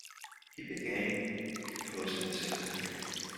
He began composing soon after.